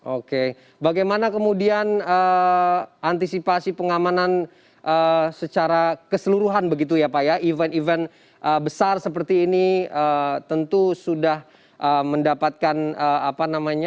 oke bagaimana kemudian antisipasi pengamanan secara keseluruhan begitu ya pak ya event event besar seperti ini tentu sudah mendapatkan apa namanya